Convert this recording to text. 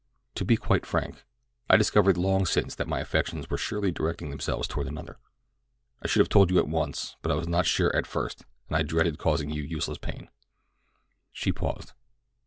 "To be quite frank, I discovered long since that my affections were surely directing themselves toward another. I should have told you at once, but I was not sure at first, and I dreaded causing you useless pain." She paused.